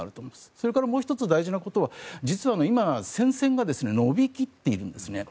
それからもう１つ大事なことは実は今戦線が延び切っているんです。